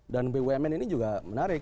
dan bumn ini juga menarik